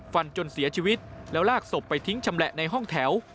จนเสียชีวิตแล้วลากศพไปทิ้งชำแหละในห้องแถว